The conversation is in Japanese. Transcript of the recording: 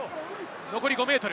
残り５ｍ。